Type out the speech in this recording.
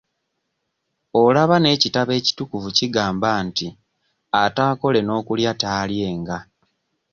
Olaba n'ekitabo ekitukuvu kigamba nti ataakole n'okulya taalyenga.